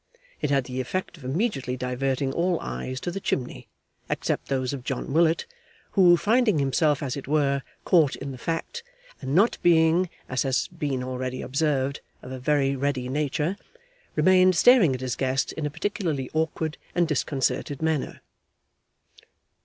It had the effect of immediately diverting all eyes to the chimney, except those of John Willet, who finding himself as it were, caught in the fact, and not being (as has been already observed) of a very ready nature, remained staring at his guest in a particularly awkward and disconcerted manner.